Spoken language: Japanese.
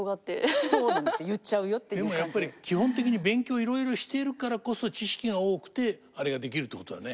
でもやっぱり基本的に勉強いろいろしているからこそ知識が多くてあれができるってことだね。